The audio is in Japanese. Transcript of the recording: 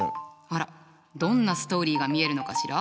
あらどんなストーリーが見えるのかしら？